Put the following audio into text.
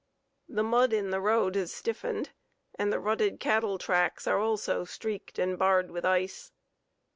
The mud in the road has stiffened, and the rutted cattle tracks are also streaked and barred with ice.